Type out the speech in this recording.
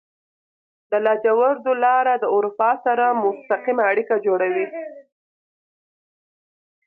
د لاجوردو لاره د اروپا سره مستقیمه اړیکه جوړوي.